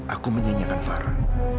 aku menyanyikan farah